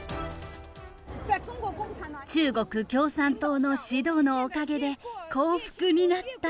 中国共産党の指導のおかげで、幸福になった！